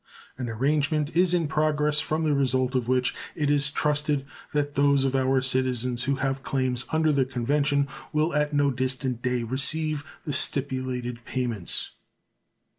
An arrangement is in progress from the result of which it is trusted that those of our citizens who have claims under the convention will at no distant day receive the stipulated payments.